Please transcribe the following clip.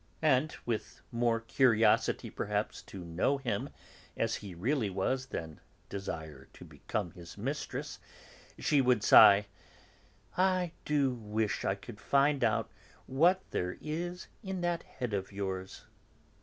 and, with more curiosity perhaps to know him as he really was than desire to become his mistress, she would sigh: "I do wish I could find out what there is in that head of yours!"